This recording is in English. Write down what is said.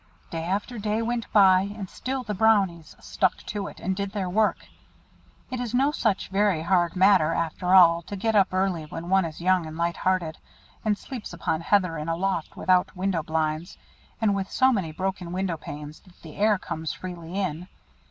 Day after day went by, and still the Brownies "stuck to it," and did their work. It is no such very hard matter after all to get up early when one is young and light hearted, and sleeps upon heather in a loft without window blinds, and with so many broken window panes that the air comes freely in.